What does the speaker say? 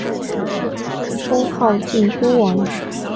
封号靖都王。